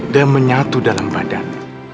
dan menyatu dalam badan